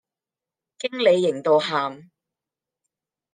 經理型到喊